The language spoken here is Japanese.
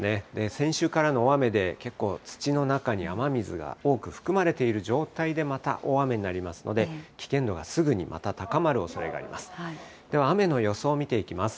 先週からの大雨で結構、土の中に雨水が多く含まれている状態で、また大雨になりますので、危険度がすぐに高まるおそれがあります。